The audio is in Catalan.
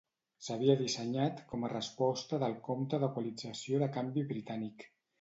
S'havia dissenyat com a resposta del Compte d'Equalització de Canvi Britànic.